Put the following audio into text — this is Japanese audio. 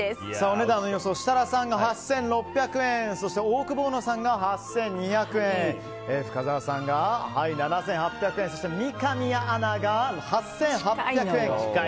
お値段の予想、設楽さんが８６００円オオクボーノさんが８２００円深澤さんが７８００円三上アナが８８００円。